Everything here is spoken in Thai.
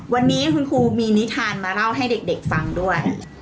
วันนี้คุณครูมีนิทานมาเล่าให้เด็กฟังด้วย